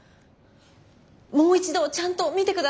もう一度ちゃんと見てください。